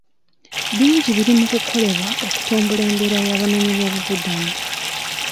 Bingi biri mu kukolebwa okutumbula embeera y'abanoonyi b'obubuddamu.